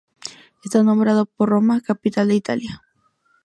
Está nombrado por Roma, capital de Italia.